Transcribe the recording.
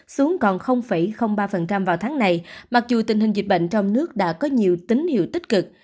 xuống còn ba vào tháng này mặc dù tình hình dịch bệnh trong nước đã có nhiều tín hiệu tích cực